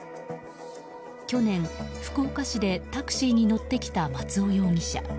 去年、福岡市でタクシーに乗ってきた松尾容疑者。